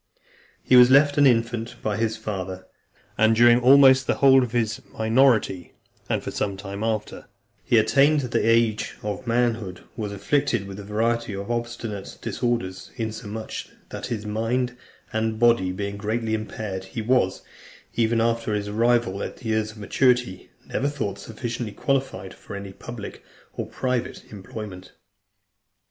He was left an infant by his father, and during almost the whole of his minority, and for some time after he attained the age of manhood, was afflicted with a variety of obstinate disorders, insomuch that his mind and body being greatly impaired, he was, even after his arrival at years of maturity, never thought sufficiently qualified for any public or private employment.